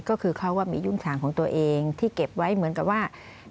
ก็คือเขามียุ่งฉางของตัวเองที่เก็บไว้เหมือนกับว่า